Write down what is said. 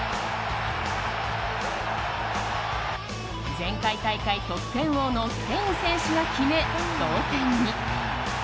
前回大会得点王のケイン選手が決め、同点に。